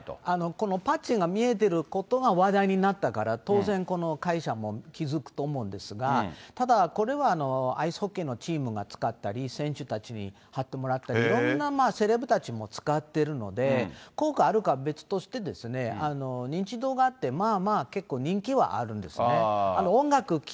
このパッチが見えてることが話題になったから、当然、この会社も気付くと思うんですが、ただ、これはアイスホッケーのチームが使ったり、選手たちに貼ってもらったり、いろんなセレブたちも使ってるので、効果あるかは別として、認知度があって、まあまあ結構、人気はあるんですね。